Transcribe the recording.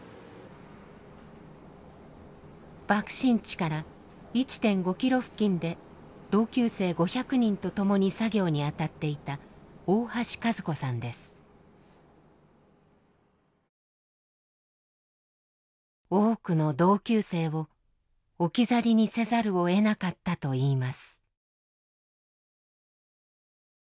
爆心地から１．５ｋｍ付近で同級生５００人と共に作業に当たっていた多くの同級生を置き去りにせざるをえなかったといいます。